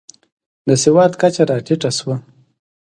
د سواد کچه راټیټه شوه.